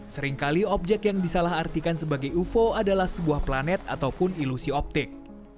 seringkali objek yang disalah artikan sebagai ufo adalah sebuah planet ataupun ilusi optik